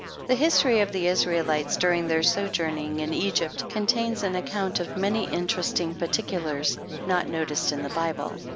The history of the Israelites during their sojourning in Egypt, contains an account of many interesting particulars not noticed in the Bible.